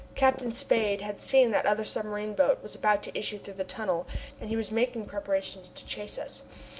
Captain Spade had seen that another submarine boat was about to issue through the tunnel, and he was making preparations to chase us.